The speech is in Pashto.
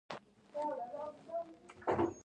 اوس به نو د سلیمان خېلو د سر بالښت شي.